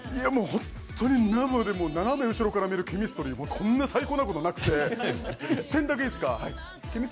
本当に生で斜め後ろから見るＣＨＥＭＩＳＴＲＹ、こんな最高なことなくて１点だけいいですか。